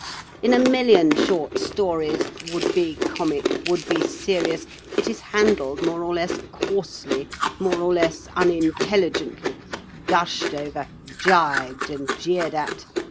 In a million short stories, would be comic, would be serious, it is handled more or less coarsely, more or less unintelligently, gushed over, gibed and jeered at.